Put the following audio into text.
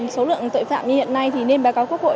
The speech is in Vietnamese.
số lượng tội phạm như hiện nay thì nên bà có quốc hội